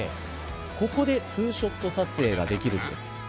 ここで、ツーショット撮影ができるんです。